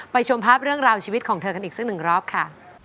ชมภาพเรื่องราวชีวิตของเธอกันอีกสักหนึ่งรอบค่ะ